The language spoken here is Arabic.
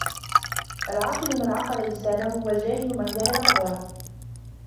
العاقل من عقل لسانه والجاهل من جهل قدره